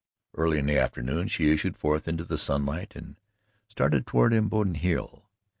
Early in the afternoon she issued forth into the sunlight, and started toward Imboden Hill.